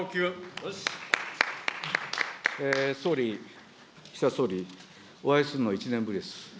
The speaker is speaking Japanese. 総理、岸田総理、お会いするのは１年ぶりです。